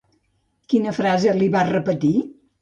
Quina frase li va repetir?